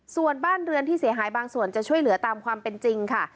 ส่วนบ้านเรือนที่เสียหายบางส่วนจะช่วยเหลือตามความเป็นจริงค่ะ